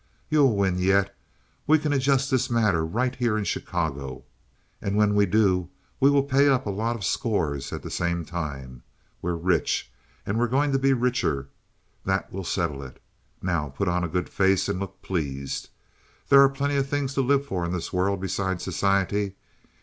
You'll win yet. We can adjust this matter right here in Chicago, and when we do we will pay up a lot of scores at the same time. We're rich, and we're going to be richer. That will settle it. Now put on a good face and look pleased; there are plenty of things to live for in this world besides society.